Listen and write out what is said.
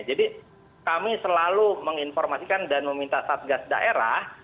jadi kami selalu menginformasikan dan meminta satgas daerah